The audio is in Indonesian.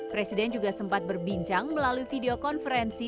presiden juga sempat berbincang melalui video konferensi